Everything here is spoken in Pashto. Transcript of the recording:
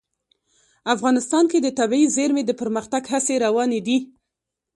افغانستان کې د طبیعي زیرمې د پرمختګ هڅې روانې دي.